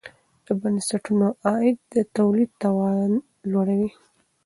د بنسټونو عاید د تولید توان لوړوي.